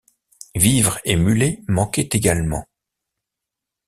Vivres et mulets manquaient également.